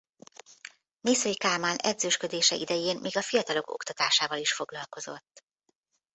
Mészöly Kálmán edzősködése idején még a fiatalok oktatásával is foglalkozott.